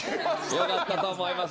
良かったと思います。